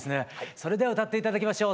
それでは歌って頂きましょう。